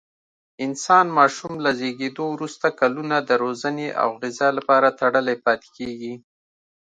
انسان ماشوم له زېږېدو وروسته کلونه د روزنې او غذا لپاره تړلی پاتې کېږي.